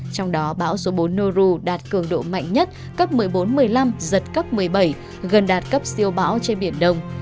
trong đó bão số bốn noru đạt cường độ mạnh nhất cấp một mươi bốn một mươi năm giật cấp một mươi bảy gần đạt cấp siêu bão trên biển đông